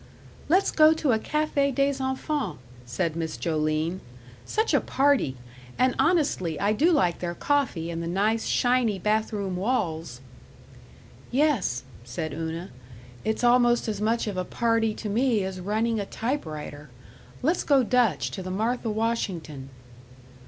"Let's go to a Café des Enfants," said Miss Joline. "Such a party! And, honestly, I do like their coffee and the nice, shiny, bathroom walls." "Yes," said Una, "it's almost as much of a party to me as running a typewriter.... Let's go Dutch to the Martha Washington."